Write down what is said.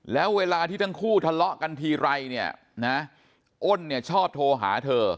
แล้วเวลาที่ทั้งคู่ทะเลาะกันทีไรเนี่ยนะอ้นเนี่ยชอบโทรหาเธอ